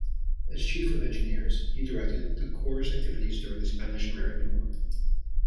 As Chief of Engineers, he directed the Corps' activities during the Spanish-American War.